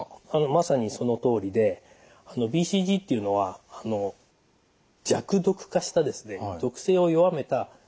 まさにそのとおりでＢＣＧっていうのは弱毒化した毒性を弱めた牛型の結核菌なんですね。